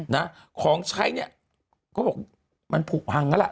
นะของใครเนี่ยก็บอกมันผูกหังแล้วแหละ